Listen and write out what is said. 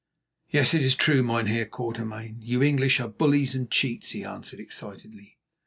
"Yes, it is true, Mynheer Quatermain. You English are bullies and cheats," he answered excitedly.